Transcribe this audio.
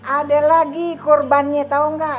ada lagi korbannya tau gak